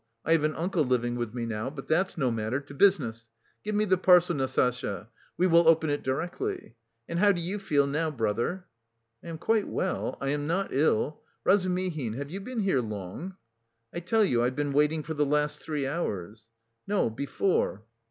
I have an uncle living with me now. But that's no matter, to business. Give me the parcel, Nastasya. We will open it directly. And how do you feel now, brother?" "I am quite well, I am not ill. Razumihin, have you been here long?" "I tell you I've been waiting for the last three hours." "No, before."